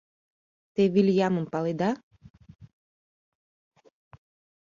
— Те Вилйамым паледа?